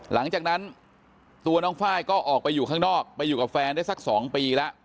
หลังจากนั้นตัวน้องไฟล์ก็ออกไปอยู่ข้างนอกไปอยู่กับแฟนได้สัก๒ปีแล้ว